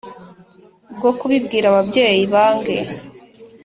bwo kubibwira ababyeyi bange